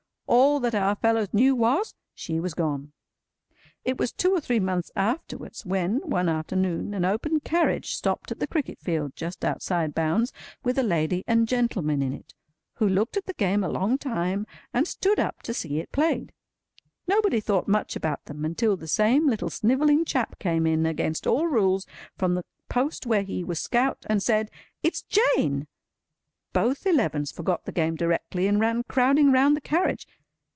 All that our fellows knew, was, she was gone. It was two or three months afterwards, when, one afternoon, an open carriage stopped at the cricket field, just outside bounds, with a lady and gentleman in it, who looked at the game a long time and stood up to see it played. Nobody thought much about them, until the same little snivelling chap came in, against all rules, from the post where he was Scout, and said, "It's Jane!" Both Elevens forgot the game directly, and ran crowding round the carriage.